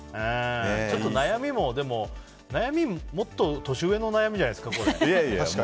ちょっと、でも悩みももっと年上の悩みじゃないですかこれ。